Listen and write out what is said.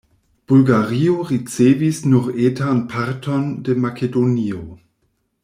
Bulgario ricevis nur etan parton de Makedonio.